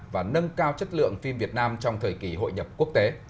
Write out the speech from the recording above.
và nâng cao chất lượng phim việt nam trong thời kỳ hội nhập quốc tế